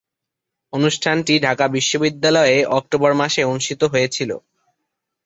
অনুষ্ঠানটি ঢাকা বিশ্ববিদ্যালয়ে অক্টোবর মাসে অনুষ্ঠিত হয়েছিলো।